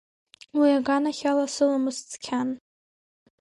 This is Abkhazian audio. Уи аганахь ала сыламыс цқьан.